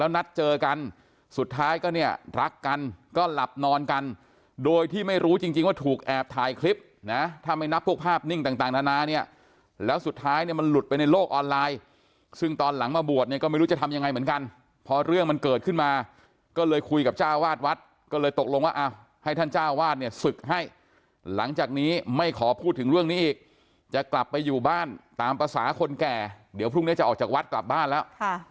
นำไปในโลกออนไลน์ซึ่งตอนหลังมาบวชก็ไม่รู้จะทำยังไงเหมือนกันพอเรื่องมันเกิดขึ้นมาก็เลยคุยกับจ้าวาสวัสดิ์ก็เลยตกลงว่าเอาให้ท่านจ้าวาสดิ์เนี่ยศึกให้หลังจากนี้ไม่ขอพูดถึงเรื่องนี้อีกจะกลับไปอยู่บ้านตามภาษาคนแก่เดี๋ยวพรุ่งนี้จะออกจากวัดกลับบ้านแล้ว